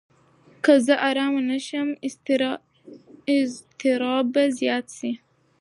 که زه ارامه نه شم، اضطراب به زیات شي.